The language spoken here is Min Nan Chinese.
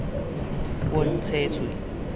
薰吹喙